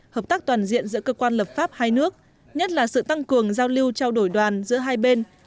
hợp tác toàn diện giữa cơ quan lập pháp hai nước nhất là sự tăng cường giao lưu trao đổi đoàn giữa hai bên